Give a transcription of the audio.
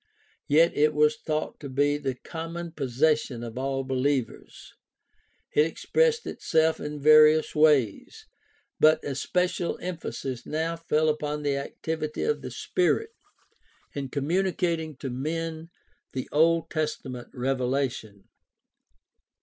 Yet it was thought to be the common possession of all believers (e.g., Heb. 6:4; Barn. 1:2; I Clem. 2:2; I John 2:20). It expressed itself in various ways, but especial emphasis now fell upon the activity of the Spirit in communicating to men the Old Testament revelation.